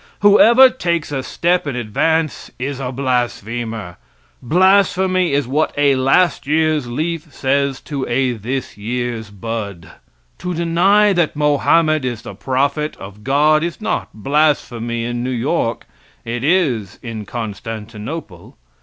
Whoever takes a step in advance is a blasphemer. Blasphemy is what a last year's leaf says to a this year's bud. To deny that Mohammed is the prophet of God is not blasphemy in New York. It is in Constantinople.